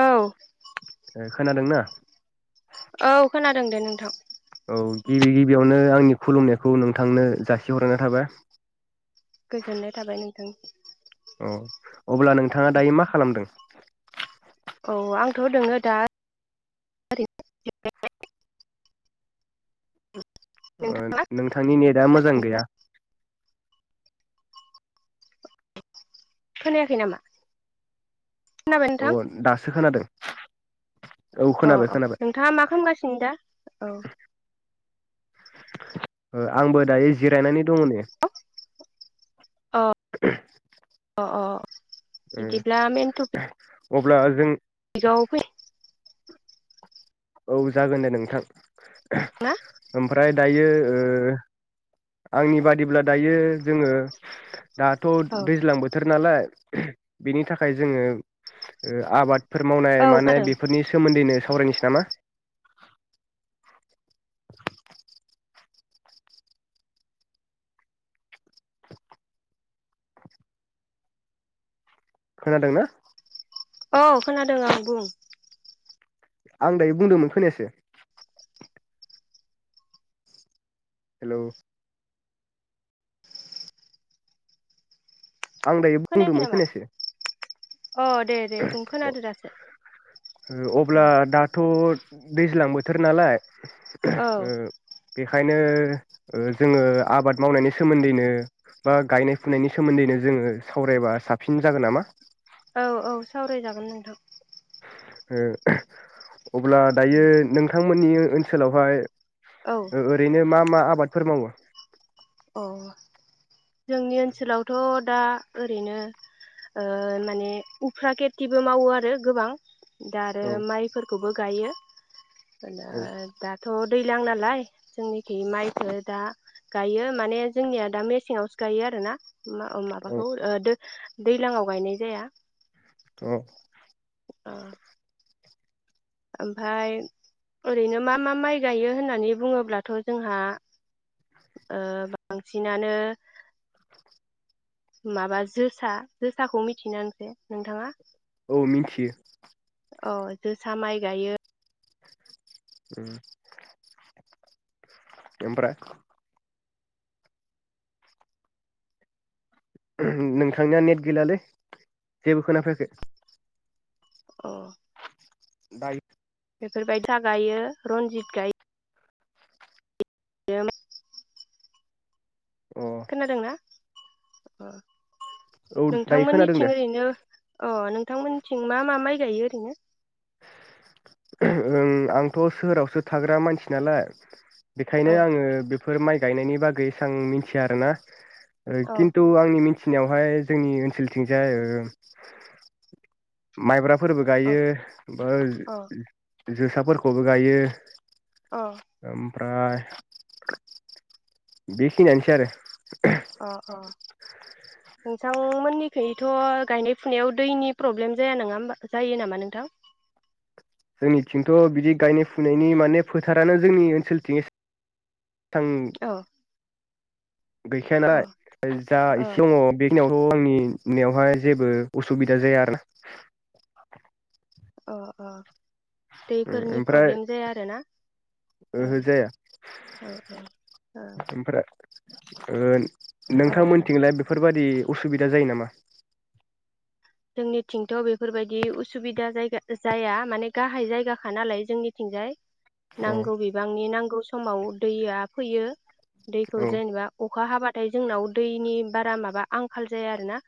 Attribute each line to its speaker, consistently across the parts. Speaker 1: औ
Speaker 2: खोनादोंना
Speaker 1: औ खोनादों दे नोंथां
Speaker 2: औ गिबि गिबियावनो आंनि खुलुमनायखौ नोंथांनो जासिहरनाय थाबाय
Speaker 1: गोजोननाय थाबाय नोंथांनि
Speaker 2: औ अब्ला नोंथाङा दायो मा खालामदों [inaudible]
Speaker 1: औ आंथ दोङो दा [unintelligible]
Speaker 2: ओ
Speaker 1: नोंथाङा
Speaker 2: नोंथांनि नेदा मोजां गैया
Speaker 1: खोनायाखै नामा खोनाबाय
Speaker 2: औ
Speaker 1: नोंथां
Speaker 2: दासो खोनादों औ
Speaker 1: अ
Speaker 2: खोनाबाय
Speaker 1: अ
Speaker 2: खोनाबाय
Speaker 1: नोंथाङा मा खामगासिनो दा औ
Speaker 2: ओ आंबो दायो जिरायनानै दङ नै
Speaker 1: अ अ अ
Speaker 2: ओ
Speaker 1: बिदिब्ला मेन टपिक
Speaker 2: अब्ला जों
Speaker 1: [unintelligible] फै
Speaker 2: औ जागोन दे नोंथां
Speaker 1: ना
Speaker 2: ओमफ्राय दायो ओ आंनि बादिब्ला दायो जोङो दाथ
Speaker 1: औ
Speaker 2: दैज्लां बोथोर नालाय बिनि थाखाय जोङो ओ आबाद फोर मावनाय
Speaker 1: औ
Speaker 2: मानाय
Speaker 1: खोनादों
Speaker 2: बेफोरनि सोमोन्दैनो सावरायनोस नामा खोनादोंना
Speaker 1: औ खोनादों आं बुं
Speaker 2: आं दायो बुंदोंमोन खोनायासै हेलौ आं दायो
Speaker 1: खोनायाखै
Speaker 2: बुंदोंमोन
Speaker 1: नामा
Speaker 2: खोनायासै
Speaker 1: अ दे दे बुं खोनादो दासो
Speaker 2: अब्ला दाथ दैज्लां बोथोर नालाय ओ
Speaker 1: औ
Speaker 2: बे खायनो ओ जोङो आबाद मावनायनि सोमोन्दैनो बा गायनाय फुनायनि सोमोन्दैनो जोङो सावरायबा साबसिन जागोन नामा
Speaker 1: औ औ सावरायजागोन नोंथां
Speaker 2: ओ अब्ला दायो नोंथांमोननि ओनसोलावहाय
Speaker 1: औ
Speaker 2: ओ-ओरैनो मा मा आबादफोर मावो
Speaker 1: अ जोंनि ओनसोलावथ दा ओरैनो ओ माने उफ्रा खेथिबो मावो आरो गोबां दा आरो
Speaker 2: औ
Speaker 1: माइफोरखौबो गायो
Speaker 2: औ
Speaker 1: [unintelligible] थ दैलां नालाय जोंनिखि माइफोर दा गायो माने जोंनिया दा मेसेङावसो गायो आरो ना मा ओ
Speaker 2: औ
Speaker 1: माबाखौ ओ [unintelligible] दैलाङाव गायनाय जाया
Speaker 2: औ
Speaker 1: अ ओमफाय ओरैनो मा मा माइ गायो होननानै बुङोब्लाथ जोंहा ओ बांसिनानो माबा जोसा जोसाखौ मिथियोना [unintelligible] नोंथाङा
Speaker 2: औ मिथियो
Speaker 1: अ जोसा माइ गायो
Speaker 2: उम ओमफ्राय नोंथांनिया नेट गैलालै जेबो खोनाफैयाखै
Speaker 1: अ
Speaker 2: दाय
Speaker 1: बेफोरबायसा गायो रनजित गाय [unintelligible]
Speaker 2: अ
Speaker 1: खोनादोंना अ
Speaker 2: औ दायो खोनादों दे
Speaker 1: नोंथांमोननिथिं ओरैनो अ नों नोंथांमोननिथिं मा मा माइ गायो ओरैनो
Speaker 2: [unintelligible] ओं आंथ सोहोरावसो थाग्रा मानसि नालाय बेखायनो
Speaker 1: औ
Speaker 2: आङो बेफोर माइ गायनायनि बागै एसां मिथिया आरोना ओ
Speaker 1: अ
Speaker 2: खिनतु आंनि [unintelligible] थिनियावहाय जोंनि ओनसोलथिंजाय ओ माइब्रा फोरबो
Speaker 1: अ
Speaker 2: गायो
Speaker 1: अ
Speaker 2: [unintelligible] जोसाफोरखौबो गायो
Speaker 1: अ
Speaker 2: फ्राय बेखिनियानोसै आरो
Speaker 1: अ अ नोंथांमोननिखैयथ गायनाय फुनायाव दैनि प्रब्लेम जाया नङा होनबा जायो नामा नोंथां
Speaker 2: जोंनिथिंथ बिदि गायनाय फुनायनि माने फोथारानो जोंनि ओनसोलथिं ए थां
Speaker 1: औ
Speaker 2: [unintelligible]
Speaker 1: अ
Speaker 2: जा
Speaker 1: अ
Speaker 2: एसे दङ बेखनियाव [unintelligible] आंनि निआवहाय जेबो असुबिदा जाया आरो ना
Speaker 1: अ अ दैफोरनि
Speaker 2: ओमफ्राय
Speaker 1: प्रब्लेम जाया आरोना अ
Speaker 2: ओहो जाया
Speaker 1: औ औ अ
Speaker 2: ओमफ्राय [unintelligible] नोंथांमोनथिंलाय बेफोरबादि असुबिदा जायो नामा
Speaker 1: जोंनिथिंथ' बेफोरबायदि उसुबिदा जायगा जाया माने गाहाय जायगाखा नालाय जोंनिथिंजाय
Speaker 2: अ
Speaker 1: नांगौ बिबांनि नांगौ समाव दैया फैयो दैखौ
Speaker 2: औ
Speaker 1: जेनेबा अखा हाबा नाथाय जोंनाव दैनि बारा माबा आंखाल जाया आरो ना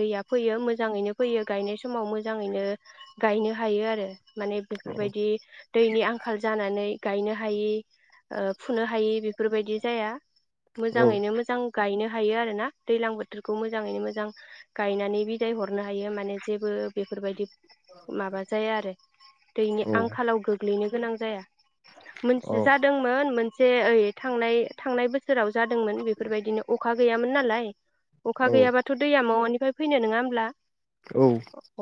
Speaker 1: दैया मोजाङैनो फैयो गायनाय समाव मोजाङैनो गायनो हायो आरो माने
Speaker 2: नाम्बार
Speaker 1: बेफोरबायदि दैनि आंखाल जानानै गायनो हायि ओ फुनो हायि बेफोरबायदि जाया मोजाङैनो मोजां गायनो हायो आरोना दैलां बोथोरखौ मोजाङैनो मोजां गायनानै बिदाय हरनो हायो माने जेबो बेफोरबायदि माबा जाया आरो दैनि आंखालाव गोग्लैनो गोनां जाया मोनथि जादोंमोन मोन जे ओइ थांनाय थांनाय बोसोराव जादोंमोन बेफोरबायदिनो अ अखा गैयामोन नालाय अखा गैयाबाथ दैया मावानि फैनो नङा ओमब्ला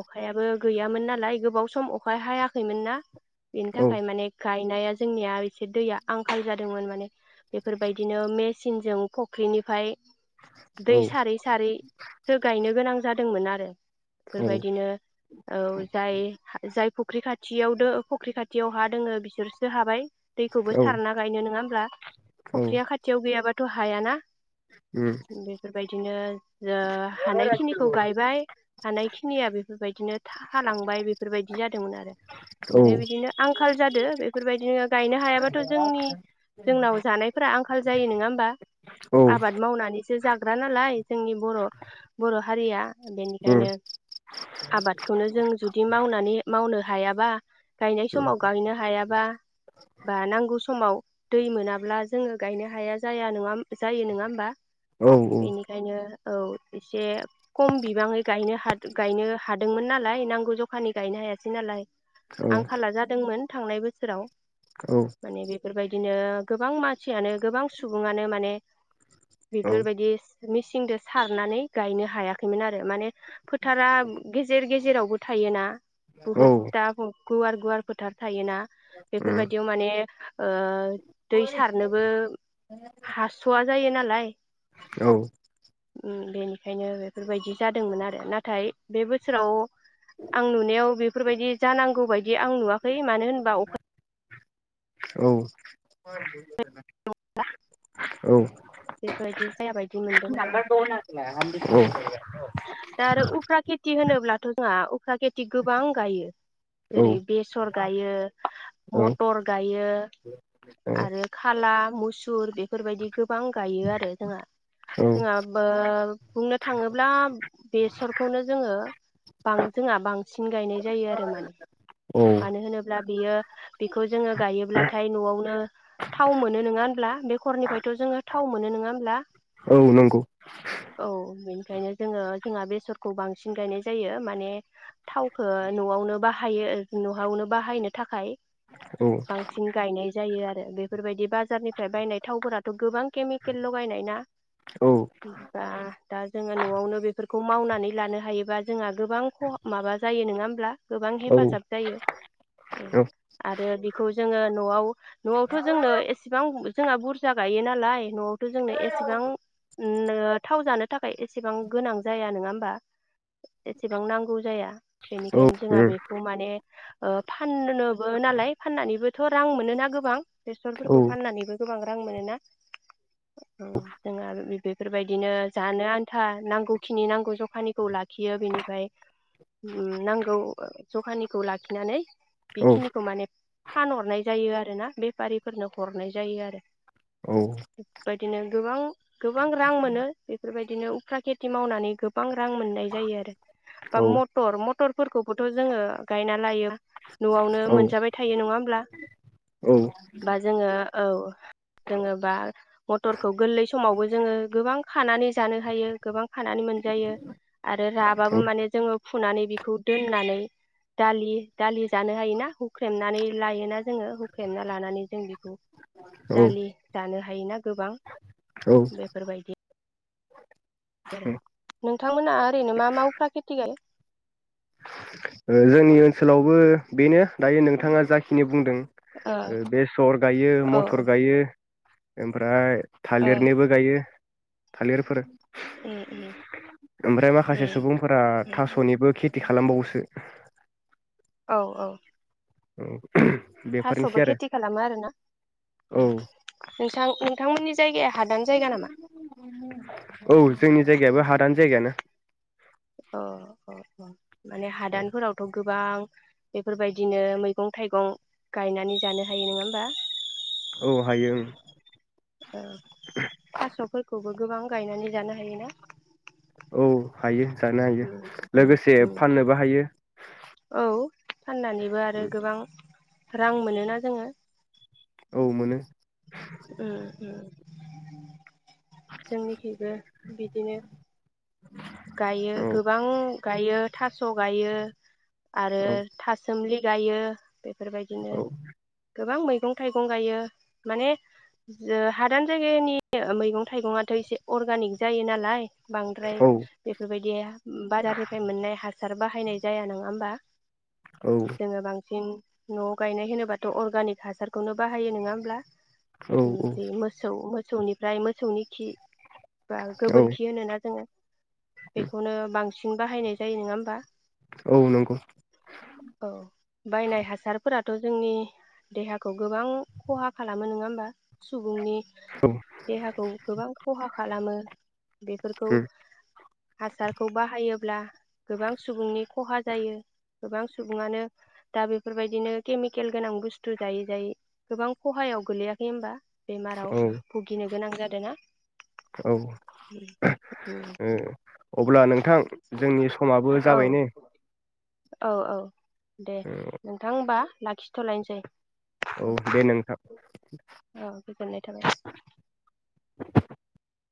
Speaker 1: अखायाबो गैयामोन नालाय गोबाव सम अखा हायाखैमोन ना बेनि थाखाय माने गाइ गायनाया जोंनिया एसे दैया आंखाल जादोंमोन माने बेफोरबायदिनो मेसिनजों फख्रिनिफ्राय दै सारै सारै सो गायनो मोजां जादोंमोन आरो बेफोरबायदिनो औ जाय जायखौ फुख्रि खाथियाव दो फख्रि खाथियाव हा दोङो बिसोरसो हाबाय दैखौबो सारना गायनो नोङाहोमब्ला फख्रिया खाथियाव गैयाबा द हाया ना बेफोरबायदिनो जा हानाय खौ गायबाय हानाय खिनिया बेफोरबायदिनो था लांबाय बेफोर बेफोरबायदि जादोंमोन आरो ओमफ्राय बिदिनो आंखाल जादो बेफोरबायदिनो गायनो हायाबाथ' जोंनि जोंनाव जानायफोरा आंखाल जायो नङा होमबा आबाद मावनानै सो जाग्रा नालाय जोंनि बर' बर' हारिया बेनिखायनो आबादखौनो जों जुदि मावनानै मावनो हायाबा गायनाय समाव गायनो हायाबा बा नांगौ समाव दै मोनाब्ला जोङो गायनो हाया जाया नङा जायो नङा होमबा
Speaker 2: द'
Speaker 1: बेनिखायनो औ एसे खम बिबाङै गायनो हा गायनो हादोंमोन नालाय नांगौ जखानि गायनो हायासै नालाय आंखाला जादोंमोन थांनाय बोसोराव
Speaker 2: औ
Speaker 1: माने बेफोरबायदिनो गोबां मानसियानो गोबां सुबुङानो माने बेफोरबायदि मेसिनदों सारनानै गायनो हायाखैमोन आरो माने फोथारा गेजेर गेजेर जेरावबो थायोना बुहुद दा गुवार गुवार फोथार थायोना बेफोरबायदियाव माने ओ दै सारनोबो हासवा जायो नालाय
Speaker 2: औ
Speaker 1: उम देनि खायनो बेफोरबायदि जादोंमोन आरो नाथाय बे बोसोराव आं नुनायाव बेफोरबायदि जानांगौ बायदि आं नुवाखै मानो होन दा अखा
Speaker 2: औ [unintelligible]
Speaker 1: [unintelligible] बेफोरबायदि जायाबायद
Speaker 2: [unintelligible]
Speaker 1: दा आरो उफ्रा
Speaker 2: औ
Speaker 1: खेथि होनोब्लाथ जोंहा उफ्रा खेथि गोबां गायो जेरै बेसर गायो मटर गायो आरो खाला मुसुर बेफोरबायदि गोबां गायो आरो जोंहा जोंहा बो बुंनो थाङोब्ला बेसरखौनो जोङो बां जोंहा बांसिन गायनाय जायो आरो माने मानो होनोब्ला बेयो बेखौ जोङो गायोब्लाथाय नआवनो थाव मोनो नोङा होमब्ला बेखरनिफ्रायथ जोङो थाव मोनो नङा होमब्ला औ बेनिखायनो जोङो जोंहा बेसरखौ बांसिन गायनाय जायो माने थावखो नआवनो बाहायो नहावनो बाहायनो थाखाय बांसिन गायनाय जायो आरो बेफोरबायदि बाज बाजारनिफ्राय बायनाय थावफोराथ गोबां केमिकेल लगायनाय ना दा दा जोङो नआवनो बेफोर खौ मावनानै लानो हायोबा जोंहा गोबां खहा माबा जायो नङा होमब्ला गोबां हेफाजाब जायो उम आरो खौ जोङो नआव नआवथ जोंनो एस [unintelligible] जोंहा बुरजा गायो नालाय नआव थु जोंनो एसेबां ओम थाव जानो थाखाय एसेबां गोनां जाया नङा होमबा एसेबां नांगौ जाया बेनिखायनो जोंहा बेखौ माने ओ फानननो नालाय फाननानैबो थ रां मोनोना गोबां बेसरफोरखौ फाननानैबो गोबां रां मोनोना अ जोङो आरो बि बेफोरबायदिनो जानो आन्था नांगौखिनि नांगौ जखानिखौ लाखियो बेनिफ्राय उम नांगौ जखानिखौ लाखिनानै बेखिनिखौ माने फानहरनाय जायो आरो ना बेफारिफोरनो हरनाय जायो आरो
Speaker 2: औ
Speaker 1: बिदिनो गोबां गोबां रां मोनो बेफोरबायदि बिदिनो उफ्रा खेथि मावनानै गोबां रां मोननाय जायो आरो बा मटर मटर फोरखौबोथ जोङो गायना लायो न'आवनो मोनजाबाय थायो नङा होमब्ला औ जोङोबा मथरखौ गोरलै समावबो जोङो गोबां खानानै जानो हायो गोबां खानानै मोनजायो आरो राबाबो माने जोङो फुनानै बेखौ दोननानै दालि दालि जानो हायोना हुख्रेमनानै लायोना जोङो हुख्रेमना लानानै जों बेखौ [inaudible] दालि जानो हायोना गोबां
Speaker 2: नांला
Speaker 1: बेफोरबायदि नोंथांमोनहा ओरैनो मा मावाफ्रा खेथि गायो
Speaker 2: जोंनि ओनसोलावबो बेनो दायो नोंथाङा जाखिनि बुंदों ओ बेसर गायो
Speaker 1: औ
Speaker 2: मथर गायो ओमफ्राय
Speaker 1: औ
Speaker 2: थालिरनिबो गायो थालिरफोर
Speaker 1: उम उम
Speaker 2: ओमफ्राय माखासे सुबुंफोरा
Speaker 1: उम
Speaker 2: थास'निबो खित खालामबावोसो
Speaker 1: औ औ
Speaker 2: [unintelligible] बेफोरनोसै
Speaker 1: थास'बो
Speaker 2: आरो
Speaker 1: खेथि खालामो आरोना
Speaker 2: औ
Speaker 1: नोंसां नोंथांमोननि जायगाया हादान जायगा नामा
Speaker 2: औ जोंनि जायगायाबो हादान जायगायानो
Speaker 1: अ ओ ओ माने हादानफोरावथ गोबां बेफोरबायदिनो मैगं थाइगं गायनानै जानो हायो नोङा होमबा
Speaker 2: औ हायो ओं
Speaker 1: ओ थास'फोरखौबो गोबां गायनानै जानो हायोना
Speaker 2: औ हायो जानो हायो
Speaker 1: उम उम
Speaker 2: लोगोसे
Speaker 1: उम
Speaker 2: फाननोबो हायो
Speaker 1: औ फाननानैबो आरो गोबां रां मोनोना जोङो
Speaker 2: औ मोनो
Speaker 1: ओम उम जोंनिखैबो बिदिनो गायो
Speaker 2: औ
Speaker 1: गोबां गायो थास गायो आरो
Speaker 2: औ
Speaker 1: थासोमलि जायो बेफोरबायदिनो
Speaker 2: औ
Speaker 1: गोबां मै मैगं थाइगं गायो माने ओ हादान जायगानि [inaudible] मैगं थाइगंआथ एसे अर्गानिक जायो नालाय बांद्राय
Speaker 2: औ
Speaker 1: बेफोरबायदि बारारनिफ्राय मोननाय हासार बाहायनाय जाया नङा होमबा
Speaker 2: औ
Speaker 1: जोङो बांसिन नआव गायनाय होनोबाथ अर्गानिक हासारखौनो बाहायो नङा होमब्ला
Speaker 2: औ
Speaker 1: [unintelligible] मोसौ मो मोसौनिफ्राय मोसौनि खि बा
Speaker 2: औ
Speaker 1: गोबोरखि होनोना जोङो बेखौनो बांसिन सिं बाहायनाय जायो नङा होमबा
Speaker 2: औ नंगौ
Speaker 1: औ बायनाय हासारफोरा थ जोंनि देहाखौ गोबां खहा खालामो नङा होमबा सुबुंनि
Speaker 2: औ
Speaker 1: देहाखौ गोबां खहा खालामो बेफोरखौ
Speaker 2: उम
Speaker 1: हासारखौ बाहायोब्ला गोबां सुबुंनि खहा जायो गोबां सुबुङानो दा बेफोरबायदिनो केमिकेल गोनां बुस्थु जायै जायै गोबां खहायाव गोलैयाखै होमबा बेमाराव
Speaker 2: औ
Speaker 1: भुगिनो गोनां जादों ना
Speaker 2: औ [unintelligible] ओ अब्ला नों नोंथां जोंनि समाबो
Speaker 1: औ
Speaker 2: जाबायनो
Speaker 1: औ औ दे नोंथां होमबा लाखिथ लायनसै
Speaker 2: औ दे नोंथां
Speaker 1: औ गोजोननाय थाबाय